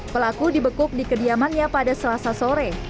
pelaku dibekuk di kediamannya pada selasa sore